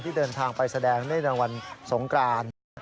ที่เดินทางไปแสดงในรวรรณสงกราน